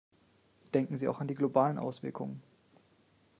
Denken Sie auch an die globalen Auswirkungen.